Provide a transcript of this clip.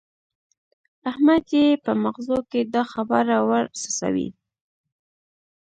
احمد يې په مغزو کې دا خبره ور څڅوي.